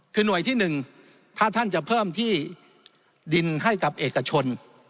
คือหน่วยที่๑ถ้าท่านจะเพิ่มที่ดินให้กับเอกชน